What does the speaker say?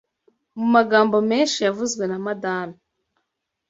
mu magambo menshi yavuzwe na Madame